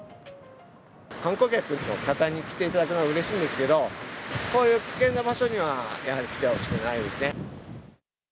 観光客の方に来ていただくのはうれしいんですけど、こういう危険な場所には、やはり来てほしくないですね。